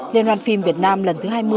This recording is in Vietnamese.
liên hoàn phim việt nam lần thứ hai mươi